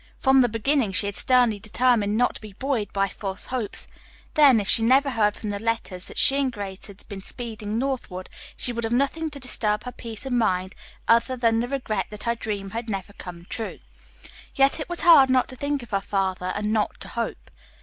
From the beginning she had sternly determined not to be buoyed by false hopes, then if she never heard from the letters that she and Grace had sent speeding northward, she would have nothing to disturb her peace of mind other than the regret that her dream had never come true. Yet it was hard not to think of her father and not to hope.